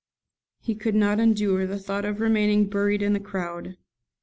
He could not endure the thought of remaining buried in the crowd.